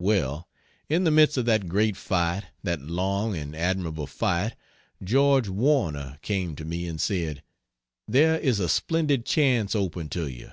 Well, in the midst of that great fight, that long and admirable fight, George Warner came to me and said: "There is a splendid chance open to you.